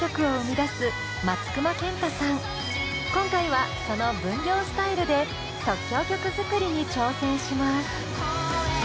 今回はその分業スタイルで即興曲作りに挑戦します。